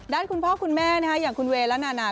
คุณพ่อคุณแม่อย่างคุณเวย์และนานา